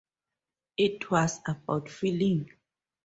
It was about feeling.